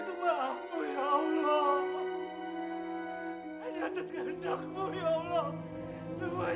satu juga saja yang lurus